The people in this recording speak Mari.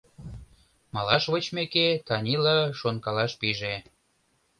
Малаш вочмеке, Танила шонкалаш пиже.